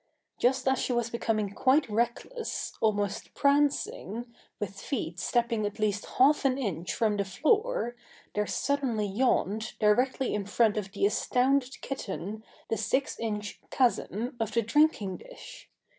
Just as she was becoming quite reckless, almost prancing, with feet stepping at least half an inch from the floor, there suddenly yawned directly in front of the astounded kitten the six inch chasm of the drinking dish!